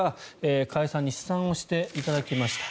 加谷さんに試算をしていただきました。